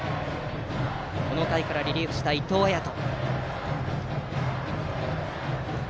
この回からリリーフした伊藤彩斗。